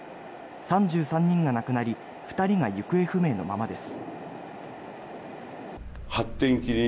３３人が亡くなり２人が行方不明のままです。